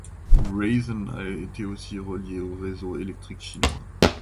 Rason a été aussi reliée au réseau électrique chinois.